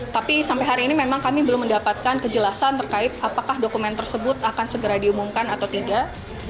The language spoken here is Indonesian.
tapi sampai hari ini memang kami belum mendapatkan kejelasan terkait apakah dokumen tersebut akan segera diumumkan atau tidak